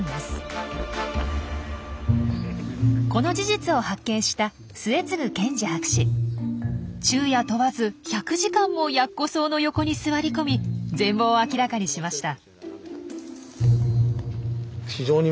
この事実を発見した昼夜問わず１００時間もヤッコソウの横に座り込み全貌を明らかにしました。